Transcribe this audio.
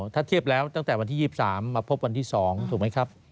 ถ้าเทียบแล้วตั้งแต่วันที่๒๓มาพบวันที่๒ถูกไหมครับ